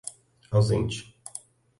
ausente